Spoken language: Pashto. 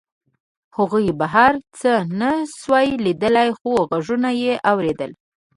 هغوی بهر څه نشوای لیدلی خو غږونه یې اورېدل